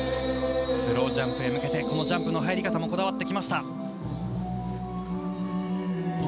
スロージャンプへ向けて、このジャンプの入り方もこだわってきました。